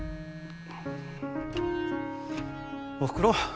おふくろ？